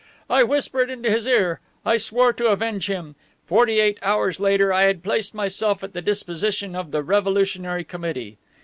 I whispered into his ear, I swore to avenge him. Forty eight hours later I had placed myself at the disposition of the Revolutionary Committee.